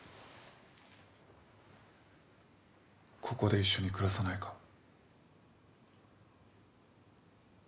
ここで一緒に暮らさないか？